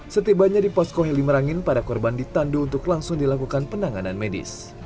setibanya di posko heli merangin para korban ditandu untuk langsung dilakukan penanganan medis